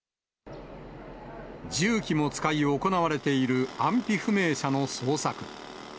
重機も使い、行われている安否不明者の捜索。